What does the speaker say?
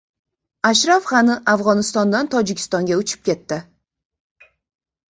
Ashraf G‘ani Afg‘onistondan Tojikistonga uchib ketdi